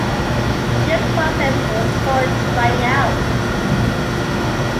This process was called "trying out".